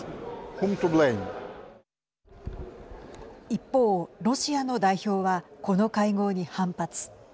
一方、ロシアの代表はこの会合に反発。